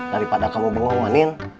daripada kamu bengong bengongan